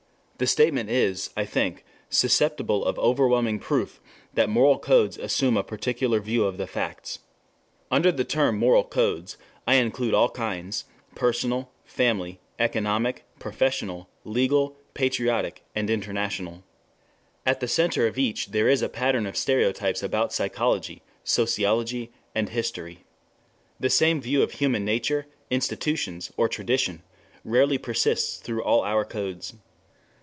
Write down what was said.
4 The statement is, I think, susceptible of overwhelming proof, that moral codes assume a particular view of the facts. Under the term moral codes I include all kinds: personal, family, economic, professional, legal, patriotic, international. At the center of each there is a pattern of stereotypes about psychology, sociology, and history. The same view of human nature, institutions or tradition rarely persists through all our codes.